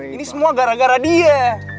ini semua gara gara dia